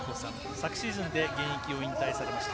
昨シーズンで現役を引退されました。